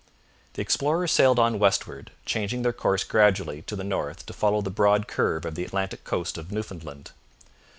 The explorers sailed on westward, changing their course gradually to the north to follow the broad curve of the Atlantic coast of Newfoundland.